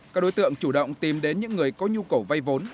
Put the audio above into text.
các đối tượng chủ động tìm đến những người có nhu cầu vay vốn